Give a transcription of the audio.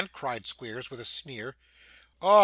cried Squeers, with a sneer. 'Ah!